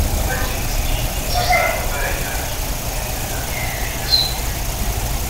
Abagenzi biyiminsi usanga bariharaje kugendana imiti isukura